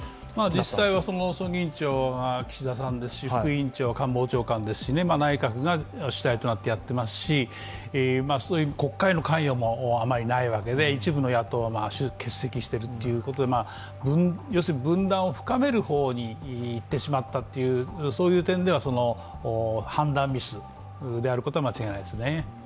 実際は葬儀委員長は岸田さんですし、副委員長は官房長官ですし、内閣が主体となってやってますし国会の関与もあまりないわけで、一部の野党は欠席しているということで、要するに分断を深める方に行ってしまった、そういう点では判断ミスであることは間違いないですね。